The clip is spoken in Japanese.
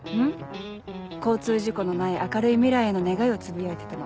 交通事故のない明るい未来への願いをつぶやいてたの。